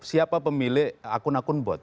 siapa pemilik akun akun bot